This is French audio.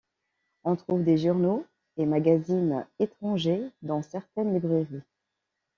On trouve des journaux et magazines étrangers dans certaines librairies.